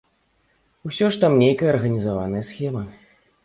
Усё ж там нейкая арганізаваная схема.